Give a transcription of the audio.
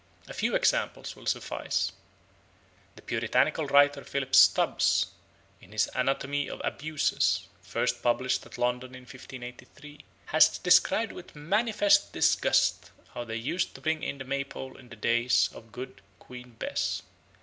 A few examples will suffice. The puritanical writer Phillip Stubbes in his Anatomie of Abuses, first published at London in 1583, has described with manifest disgust how they used to bring in the May pole in the days of good Queen Bess.